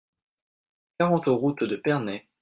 quarante route de Pernay